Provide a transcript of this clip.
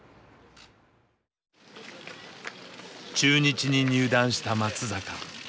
中日に入団した松坂。